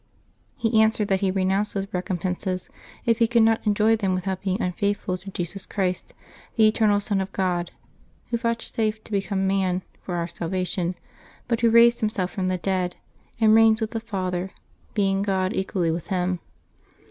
He answered that he renounced those recompenses if he could not enjoy them without being unfaithful to Jesus Christ, the eternal Son of God, Who vouchsafed to become man for our salvation, but Who raised Himself from the dead, and reigns with the Father, being God equally with Him.